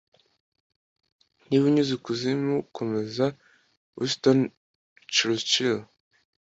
niba unyuze ikuzimu, komeza. - winston churchill